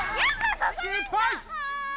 失敗！